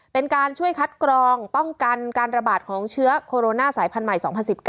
เป็นการช่วยคัดกรองป้องกันการระบาดของเชื้อโคโรนาสายพันธุ์ใหม่๒๐๑๙